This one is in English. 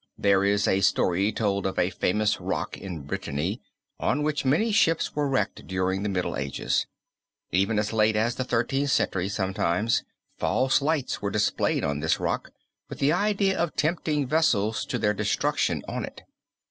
There is a story told of a famous rock in Brittany on which many ships were wrecked during the Middle Ages. Even as late as the Thirteenth Century sometimes false lights were displayed on this rock with the idea of tempting vessels to their destruction on it.